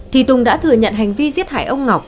thì tùng đã thừa nhận hành vi giết hại ông ngọc